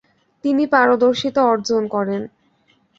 তিনি পারদর্শিতা অর্জন করেন।